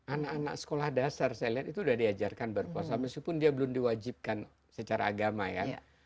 anak anak sekolah dasar saya lihat itu sudah diajarkan berpuasa meskipun dia belum diwajibkan secara agama ya